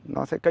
nó sẽ khó khăn